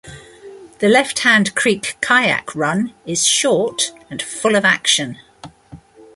The Left Hand Creek kayak run is short and full of action.